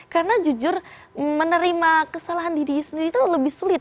karena jujur menerima kesalahan diri sendiri itu lebih sulit